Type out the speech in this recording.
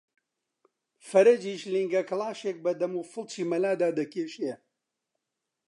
فەرەجیش لینگە کەڵاشێک بە دەم و فڵچی مەلادا دەکێشێ